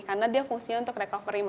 karena dia fungsinya untuk recovery